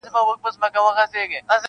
ستاله غېږي به نن څرنګه ډارېږم-